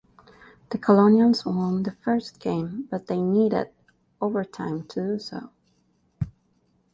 The Colonials won the first game but they needed overtime to do so.